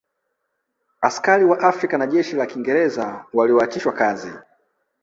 Askari Wa Afrika na jeshi la Kiingereza walioachishwa kazi